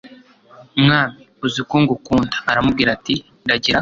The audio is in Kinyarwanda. mwami uzi ko ngukunda aramubwira ati ragira